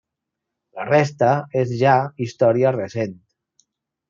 La resta és ja història recent.